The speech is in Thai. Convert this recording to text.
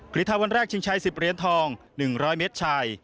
รีทาวันแรกชิงชัย๑๐เหรียญทอง๑๐๐เมตรชาย